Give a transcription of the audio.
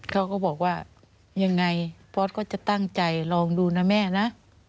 เขาก็บอกว่ายังไงพอร์ตก็จะตั้งใจลองดูนะแม่นะ